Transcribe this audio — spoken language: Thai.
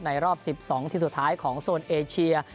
ในรอบสิบสองทีสุดท้ายของโซนเอเชีย